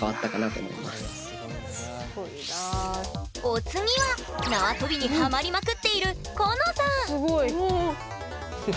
お次はなわとびにハマりまくっているこのさんすごい！